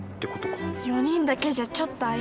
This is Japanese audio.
４人だけじゃちょっと怪しいか。